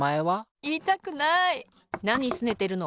なにすねてるの？